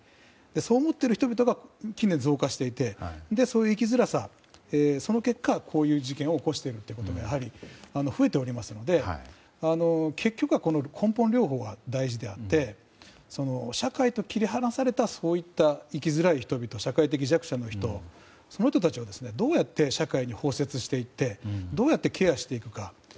そう思っている人々が近年増加していてそういう生きづらさでその結果、こういう事件を起こしているということが増えておりますので結局は根本療法が大事であって社会と切り離された生きづらい人々社会的弱者の人その人たちをどうやって社会に包摂していってどうやってケアしていくか。